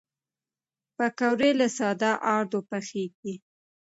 پکورې له ساده آردو پخېږي